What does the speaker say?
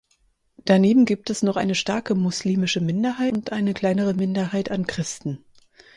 Daneben gibt es noch eine starke muslimische Minderheit und eine kleinere Minderheit an Christen.